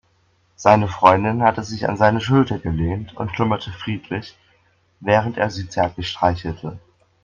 Seine Freundin hatte sich an seine Schulter gelehnt und schlummerte friedlich, während er sie zärtlich streichelte.